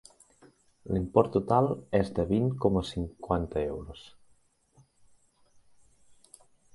L'import total és de vint coma cinquanta euros.